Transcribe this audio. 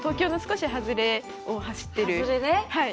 はい。